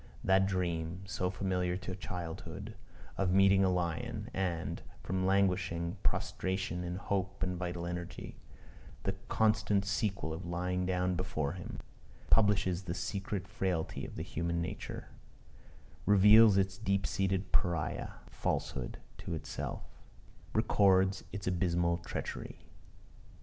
That dream, so familiar to childhood, of meeting a lion, and, from languishing prostration in hope and vital energy, that constant sequel of lying down before him, publishes the secret frailty of human nature reveals its deep seated Pariah falsehood to itself records its abysmal treachery.